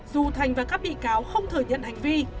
dù thành và các bị cáo không thừa nhận hành vi